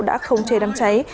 đã không chế đám cháy